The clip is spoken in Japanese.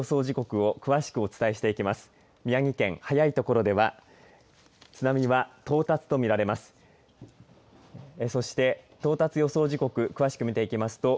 時刻を詳しくお伝えしていきます。